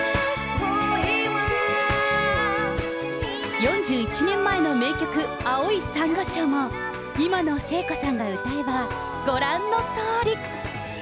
４１年前の名曲、青い珊瑚礁も、今の聖子さんが歌えば、ご覧のとおり。